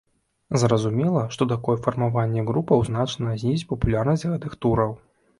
Зразумела, што такое фармаванне групаў значна знізіць папулярнасць гэтых тураў.